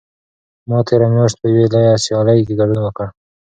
ما تېره میاشت په یوې لویه سیالۍ کې ګډون وکړ.